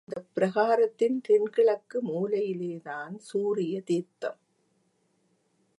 அந்தப் பிரகாரத்தின் தென் கிழக்கு மூலையிலேதான் சூரிய தீர்த்தம்.